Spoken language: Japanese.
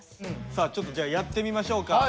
さあちょっとじゃあやってみましょうか。